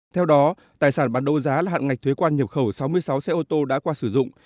theo đó tài sản bán đấu giá là hạn ngạch thuế quan nhập khẩu sáu mươi sáu xe ô tô đã qua sử dụng